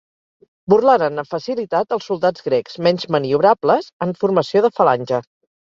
Burlaren amb facilitat els soldats grecs, menys maniobrables, en formació de falange.